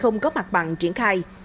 cầu nam lý đã được mặt bằng triển khai